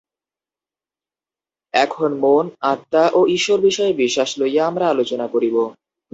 এখন মন, আত্মা ও ঈশ্বর-বিষয়ে বিশ্বাস লইয়া আমরা আলোচনা করিব।